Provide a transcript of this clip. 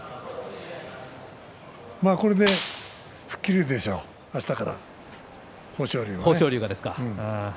これで吹っ切れるでしょうあしたから豊昇龍はね。